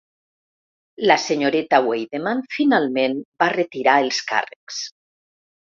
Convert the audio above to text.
La senyoreta Weideman finalment va retirar els càrrecs.